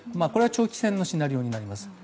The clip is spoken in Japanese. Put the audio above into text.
これは長期戦のシナリオになります。